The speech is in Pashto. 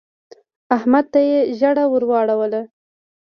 احمد ته يې ژیړه ور واړولې ده.